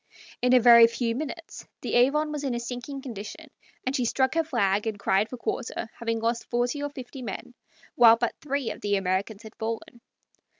In a very few minutes the Avon was in a sinking condition, and she struck her flag and cried for quarter, having lost forty or fifty men, while but three of the Americans had fallen.